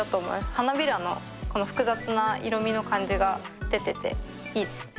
花びらのこの複雑な色味の感じが出てて、いいですね。